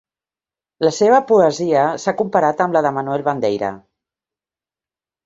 La seva poesia s'ha comparat amb la de Manuel Bandeira.